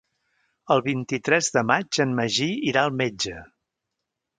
El vint-i-tres de maig en Magí irà al metge.